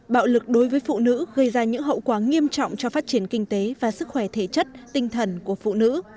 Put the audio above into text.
bạo lực đối với phụ nữ gây ra những hậu quả nghiêm trọng cho phát triển kinh tế và sức khỏe thể chất tinh thần của phụ nữ